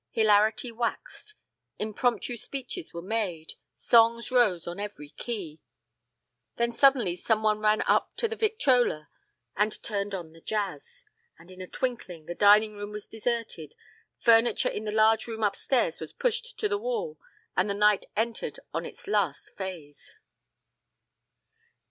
Hilarity waxed, impromptu speeches were made, songs rose on every key. Then suddenly some one ran up to the victrola and turned on the jazz; and in a twinkling the dining room was deserted, furniture in the large room upstairs was pushed to the wall and the night entered on its last phase.